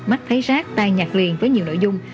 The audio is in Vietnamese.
mắt thấy rác tai nhạc liền với nhiều nội dung